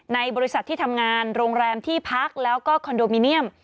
ในบริษัทที่ทำงานโรงแรมที่พักแล้วก็คอนโดมิเนียม